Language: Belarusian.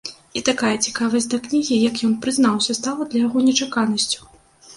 І такая цікавасць да кнігі, як ён прызнаўся, стала для яго нечаканасцю.